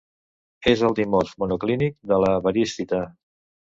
És el dimorf monoclínic de la variscita.